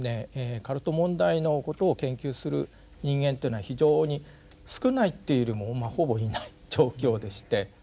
カルト問題のことを研究する人間っていうのは非常に少ないっていうよりもまあほぼいない状況でして。